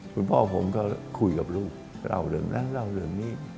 คุณพ่อผมก็คุยกับลูกเล่าเรื่องนั้นเล่าเรื่องนี้